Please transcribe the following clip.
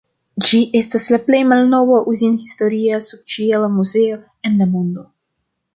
Ĝi estas la plej malnova uzin-historia subĉiela muzeo en la mondo.